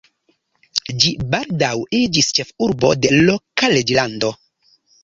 Ĝi baldaŭ iĝis ĉefurbo de loka reĝlando.